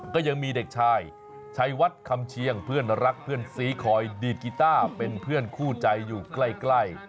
ก็ยังมีเด็กชายชัยวัดคำเชียงเพื่อนรักเพื่อนซีคอยดีดกีต้าเป็นเพื่อนคู่ใจอยู่ใกล้